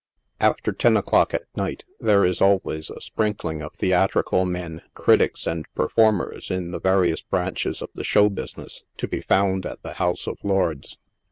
After ten o'clock at night, there is always a sprinkling of theatri cal men, critics, and performers in the various branches of the show business, to be found at the House of Lords.